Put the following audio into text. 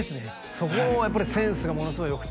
「そこやっぱりセンスがものすごいよくて」